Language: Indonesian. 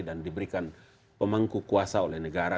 dan diberikan pemangku kuasa oleh negara